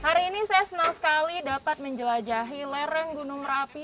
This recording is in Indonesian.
hari ini saya senang sekali dapat menjelajahi lereng gunung merapi